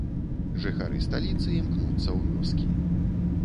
Жыхары сталіцы імкнуцца ў вёскі.